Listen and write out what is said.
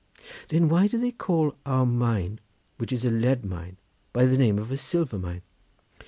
"Then why do they call our mine, which is a lead mine, by the name of a silver mine?"